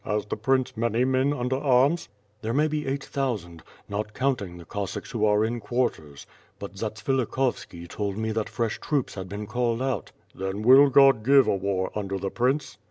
Has the prince many men under arms?" "There may be eight thousand, not counting the Cossacks who are in quarters. But Zatsvilikhovski told me that fresh troops had been called out." "Then will God give a war under the Prince?"